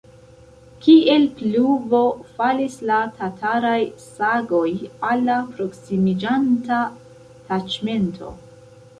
Kiel pluvo falis la tataraj sagoj al la proksimiĝanta taĉmento.